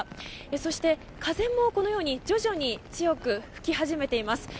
そして、風もこのように徐々に強く吹き始めています。